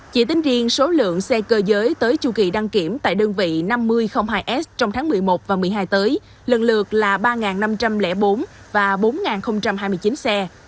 chỉ tính riêng số lượng xe cơ giới tới chu kỳ đăng kiểm tại đơn vị năm nghìn hai s trong tháng một mươi một và một mươi hai tới lần lượt là ba năm trăm linh bốn và bốn hai mươi chín xe